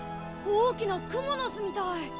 大きなクモの巣みたい。